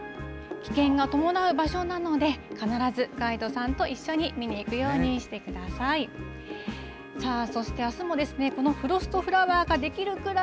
危険が伴う場所なので、必ずガイドさんと一緒に見に行くようにしてください。